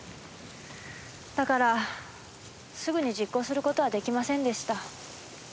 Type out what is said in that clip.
だからすぐに実行する事は出来ませんでした。